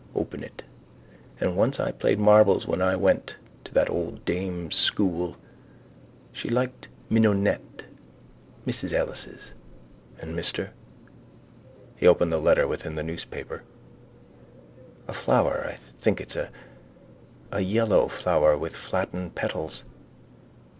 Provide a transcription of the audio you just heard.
Open it. And once I played marbles when I went to that old dame's school. She liked mignonette. Mrs Ellis's. And Mr? He opened the letter within the newspaper. A flower. I think it's a. A yellow flower with flattened petals.